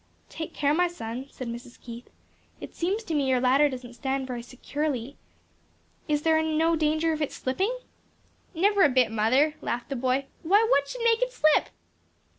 "Take care, my son," said Mrs. Keith; "it seems to me your ladder doesn't stand very securely. Is there no danger of its slipping?" "Never a bit, mother," laughed the boy "why what should make it slip?"